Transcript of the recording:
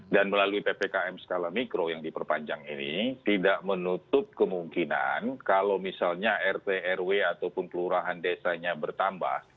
dan melalui ppkm skala mikro yang diperpanjang ini tidak menutup kemungkinan kalau misalnya rt rw ataupun kelurahan desanya bertambah